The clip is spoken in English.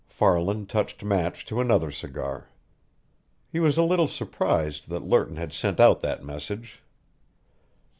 Farland touched match to another cigar. He was a little surprised that Lerton had sent out that message.